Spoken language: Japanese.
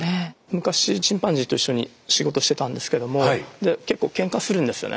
昔チンパンジーと一緒に仕事をしてたんですけどもで結構ケンカするんですよね。